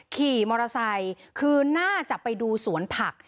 ขี่มอเตอร์ไซค์คือน่าจะไปดูสวนผัก